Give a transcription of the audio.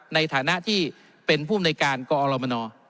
ในฐานะที่เป็นผู้ในการกอม